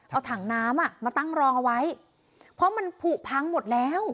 เอาถังน้ำอ่ะมาตั้งรองเอาไว้เพราะมันผูกพังหมดแล้ว